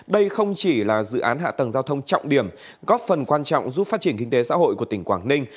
đây không chỉ là dự án hạ tầng giao thông trọng điểm góp phần quan trọng giúp phát triển kinh tế xã hội của tỉnh quảng ninh